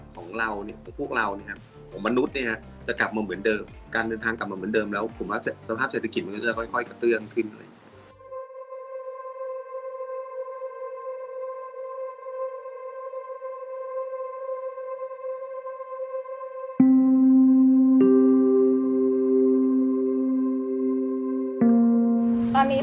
ตอนนี้ถ้าช่วงกลางวันนะคะมันเงียบแบบนี้มั๊ยพี่